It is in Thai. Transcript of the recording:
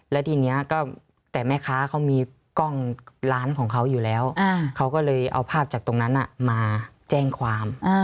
แล้วทีนี้ก็แต่แม่ค้าเขามีกล้องร้านของเขาอยู่แล้วเขาก็เลยเอาภาพจากตรงนั้นมาแจ้งความ